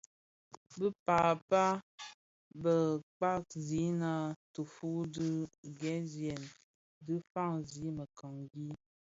Bë pääpa bë kpaňzigha tifuu ti ghemzyèn dhi faňzi mekangi.